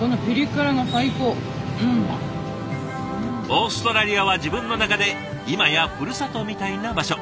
オーストラリアは自分の中で今やふるさとみたいな場所。